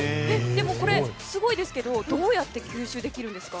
でも、これすごいですけどどうやって吸収するんですか？